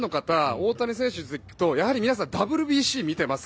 大谷選手について聞くとやはり皆さんＷＢＣを見ています。